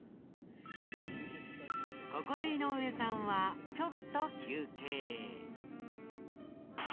ここで井上さんはちょっと休憩。